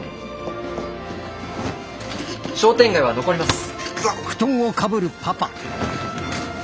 商店街は残ります。